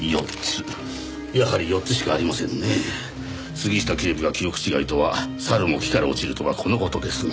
杉下警部が記憶違いとは「猿も木から落ちる」とはこの事ですなあ。